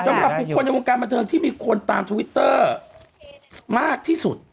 สำหรับบุคคลในวงการบันเทิงที่มีคนตามทวิตเตอร์มากที่สุด